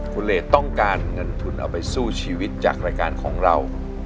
คุณเลสต้องการเงินทุนเอาไปสู้ชีวิตจากรายการของเรา